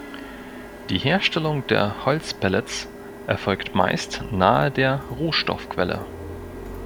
Die Herstellung der Holzpellets erfolgt meist nahe der Rohstoffquelle.